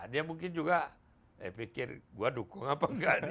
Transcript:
dia mungkin juga pikir gue dukung apa nggak nih